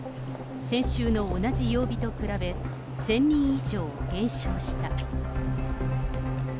先週の同じ曜日と比べ、１０００人以上減少した。